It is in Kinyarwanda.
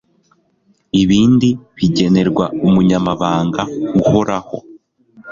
ibindi bigenerwa umunyamabanga uhoraho